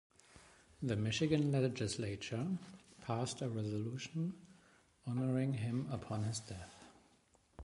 The Michigan Legislature passed a resolution honoring him upon his death.